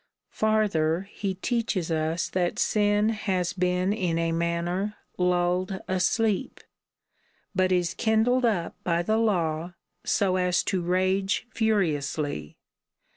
Farther, he teaches us that sin has been in a manner lulled asleep, but is kindled up by the law, so as to rage furiously.